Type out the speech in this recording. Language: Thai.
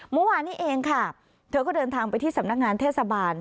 เมื่อวานนี้เองค่ะเธอก็เดินทางไปที่สำนักงานเทศบาล